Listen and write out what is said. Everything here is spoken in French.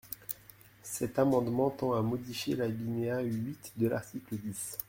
Cet amendement tend à modifier l’alinéa huit de l’article dix.